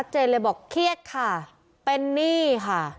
เจนเลยบอกเครียดค่ะเป็นหนี้ค่ะ